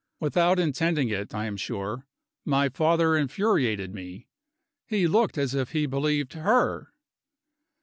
Without intending it, I am sure, my father infuriated me; he looked as if he believed her.